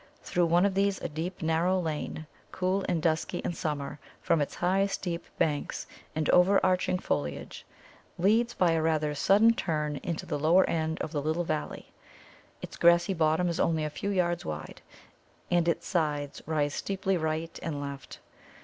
Through one of these a deep narrow lane, cool and dusky in summer from its high steep banks and over arching foliage, leads by a rather sudden turn into the lower end of the little valley. Its grassy bottom is only a few yards wide, and its sides rise steeply right and left.